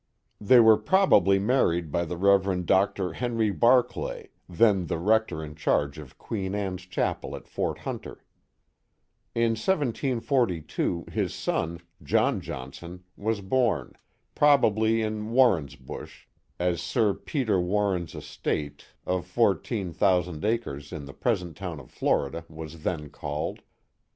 They were probably married by the Rev. Dr. Henry Barclay, then the rector in charge of Queen Anne's Chapel at Fort Hunter. In 1742 his son, John Johnson, was born, probably in Warrensbush, as Sir Peter Warren's estate 113 1 14 The Mohawk Valley of fourteen thousand acres in the present town of Florida was then called.